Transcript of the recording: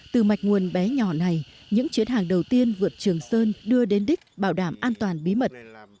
từ mạch nguồn bé nhỏ này những chuyến hàng đầu tiên vượt trường sơn đưa đến đích bảo đảm an toàn bí mật